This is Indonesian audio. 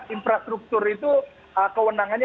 infrastruktur itu kewenangannya